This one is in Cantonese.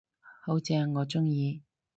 好正，我鍾意